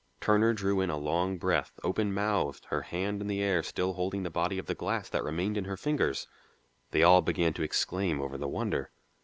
Turner drew in a long breath, open mouthed, her hand in the air still holding the body of the glass that remained in her fingers. They all began to exclaim over the wonder.